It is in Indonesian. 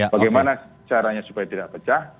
bagaimana caranya supaya tidak pecah